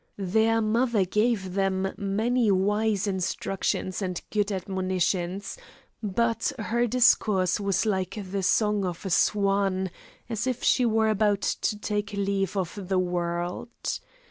Their mother gave them many wise instructions and good admonitions; but her discourse was like the song of a swan, as if she were about to take leave of the world.